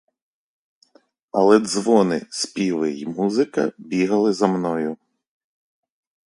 Але дзвони, співи й музика бігли за мною.